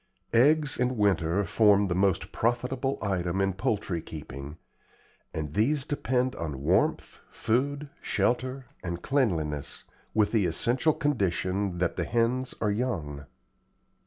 Eggs in winter form the most profitable item in poultry keeping, and these depend on warmth, food, shelter, and cleanliness, with the essential condition that the hens are young.